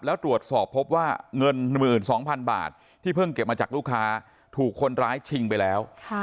แล้วตรวจสอบพบว่าเงิน๑๒๐๐๐บาทที่เพิ่งเก็บมาจากลูกค้าถูกคนร้ายชิงไปแล้ว